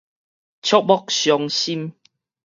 觸目傷心